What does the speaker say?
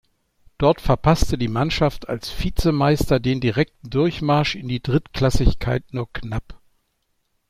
Dort verpasste die Mannschaft als Vizemeister den direkten Durchmarsch in die Drittklassigkeit nur knapp.